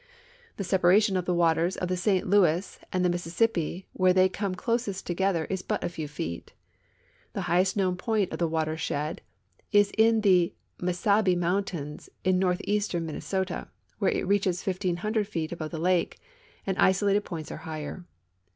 The separation of the waters of the St I^ouis and the Mississippi where they come closest together is but a few feet. The highest knowai point of the watershed is in the Mesabi mountains in northeastern Min nesota, where it reaches 1,500 feet above the lake, and isolated points are higher.